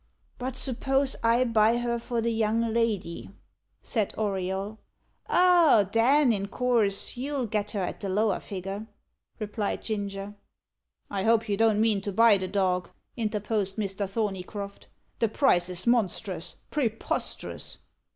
"But suppose I buy her for the young lady?" said Auriol. "Oh, then, in coorse, you'll get her at the lower figure!" replied Ginger. "I hope you don't mean to buy the dog?" interposed Mr. Thorneycroft. "The price is monstrous preposterous."